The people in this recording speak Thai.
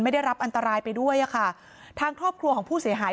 ได้รับอันตรายไปด้วยอ่ะค่ะทางครอบครัวของผู้เสียหาย